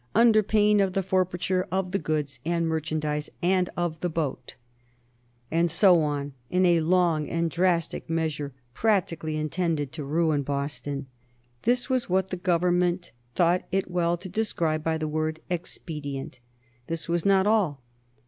. under pain of the forfeiture of the goods and merchandise and of the boat," and so on, in a long and drastic measure practically intended to ruin Boston. This was what the Government thought it well to describe by the word "expedient." This was not all.